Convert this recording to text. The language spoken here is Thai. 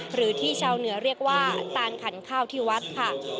หรือที่ชาวเหนือเรียกว่าตานขันข้าวที่วัดค่ะ